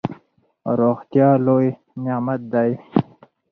روغتیا لوی نعمت دئ.